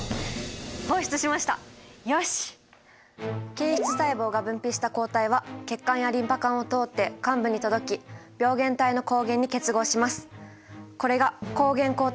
形質細胞が分泌した抗体は血管やリンパ管を通って患部に届き病原体の抗原に結合します。